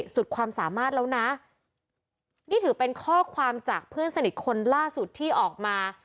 สุดความสามารถแล้วนะนี่ถือเป็นข้อความจากเพื่อนสนิทคนล่าสุดที่ออกมา